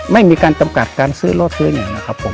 ไม่มีการจำกัดคำซื้อรถวิ่งหรือยังนะครับผม